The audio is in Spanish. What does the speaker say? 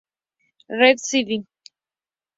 Real Sci.